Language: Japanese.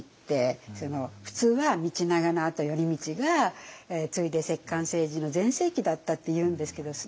普通は道長のあと頼通が継いで摂関政治の全盛期だったっていうんですけどね